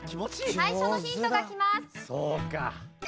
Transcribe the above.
最初のヒントがきます。